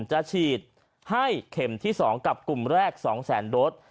จะฉีดให้เข็มที่๒กับกลุ่มแรก๒แสนโดส